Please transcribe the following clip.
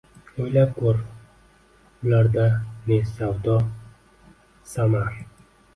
O’ylab ko’r, ularda ne savdo, samar